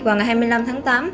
vào ngày hai mươi năm tháng tám